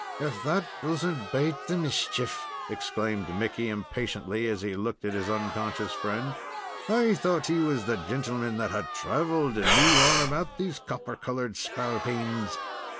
if that does n't bate the mischief!" exclaimed Mickey, impatiently, as he looked at his unconscious friend. "I thought he was the gintleman that had traveled, and knew all about these copper colored spalpeens.